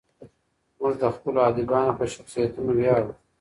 موږ د خپلو ادیبانو په شخصیتونو ویاړو.